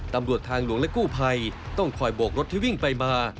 ตำรวจทางหลวงและกู้ภัยต้องคอยโบกรถที่วิ่งไปมา